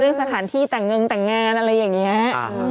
เรื่องสถานที่แต่งเงินแต่งงานอะไรอย่างนี้